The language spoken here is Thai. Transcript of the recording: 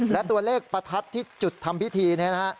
และตัวเลขประทัดที่จุดทำพิธีนี้นะฮะ